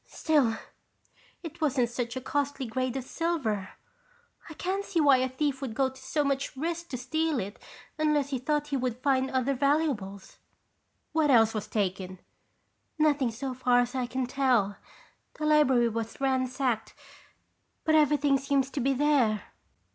Still, it wasn't such a costly grade of silver. I can't see why a thief would go to so much risk to steal it unless he thought he would find other valuables." "What else was taken?" "Nothing so far as I can tell. The library was ransacked but everything seems to be there."